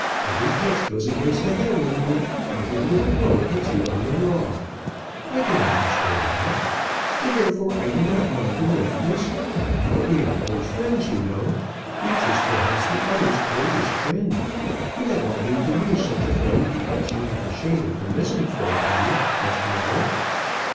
Every touch goes against the hair with you; every little blow hits you on the raw. I can understand that; and therefore I do not mind your roughness. But we are old friends, you know. Each is perhaps the other's oldest friend; and I don't mean to lose such a friend because you have a shade of the misanthrope on you just now.